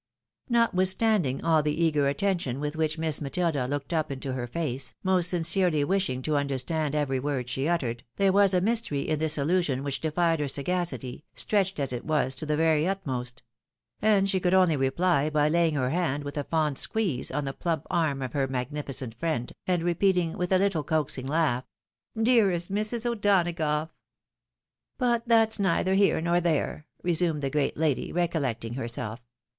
" Notwithstanduig all the eager attention with which Miss Matilda looked up into her face — most sincerely wishing to understand every word she. uttered — ^there was a mystery in this allusion which defied her sagacity, stretched, as it was, to the very utmost ; and she coidd only reply by laying her hand with a fond squeeze on the plump arm of her magnifi cent friend, and repeating, with a little coaxing laugh, " Dearest Mrs. O'Donagough !"" But that's neither here nor there," resumed the great lady, recoUeoting herself.